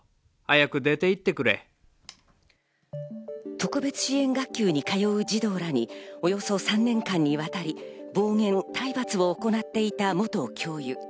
特別支援学級に通う児童らにおよそ３年間にわたり暴言、体罰を行っていた元教諭。